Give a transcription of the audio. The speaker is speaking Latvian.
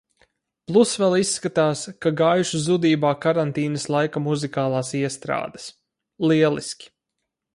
Plus vēl izskatās, ka gājušas zudībā karantīnas laika muzikālās iestrādes. lieliski.